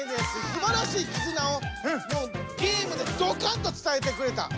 すばらしいキズナをゲームでドカンと伝えてくれた。